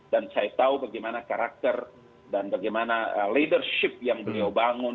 dan saya tahu bagaimana karakter dan bagaimana leadership yang beliau bangun